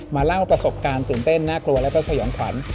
เล่าประสบการณ์ตื่นเต้นน่ากลัวแล้วก็สยองขวัญ